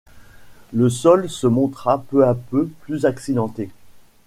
Le sol se montra peu à peu plus accidenté.